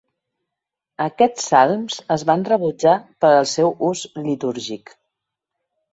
Aquests salms es van rebutjat per al seu ús litúrgic.